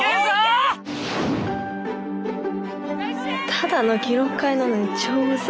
ただの記録会なのに超うざ。